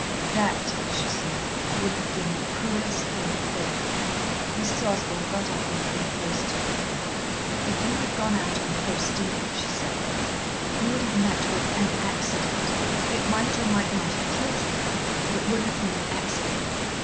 "That," she said, "would have been the cruelest thing of all." Mrs. Osborn got up and came close to her. "If you had gone out on Faustine," she said, "you would have met with an accident. It might or might not have killed you. But it would have been an accident.